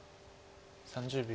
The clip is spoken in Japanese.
３０秒。